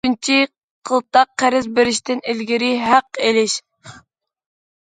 ئۈچىنچى قىلتاق:« قەرز بېرىشتىن ئىلگىرى ھەق ئېلىش».